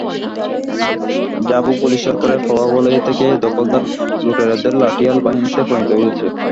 RAB ও police সরকারের প্রভাববলয়ে থেকে দখলদার লুটেরাদের লাঠিয়াল বাহিনীতে পরিণত হয়েছে।